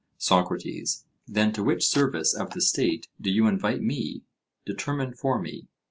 SOCRATES: Then to which service of the State do you invite me? determine for me.